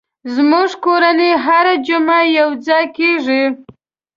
زموږ کورنۍ هره جمعه یو ځای کېږي.